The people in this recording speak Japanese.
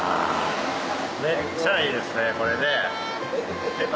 めっちゃいいですねこれね。